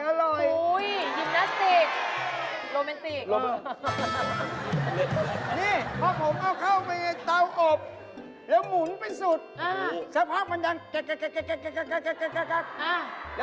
โอ้โฮยินเตอร์สติก